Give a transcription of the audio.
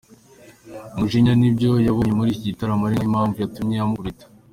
umujinya nibyo yaboneye muri iki gitaramo ari nayo mpamvu yatumye amukubita.